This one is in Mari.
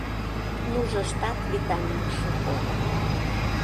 Нужыштат витамин шуко.